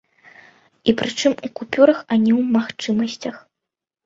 І, прычым, у купюрах, а не ў магчымасцях.